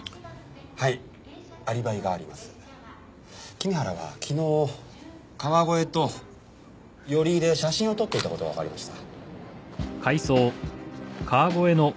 君原は昨日川越と寄居で写真を撮っていた事がわかりました。